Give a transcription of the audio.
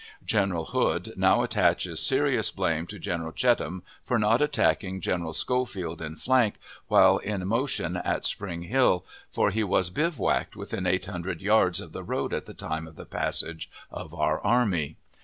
General Hood now attaches serious blame to General Cheatham for not attacking General Schofield in flank while in motion at Spring Hill, for he was bivouacked within eight hundred yards of the road at the time of the passage of our army.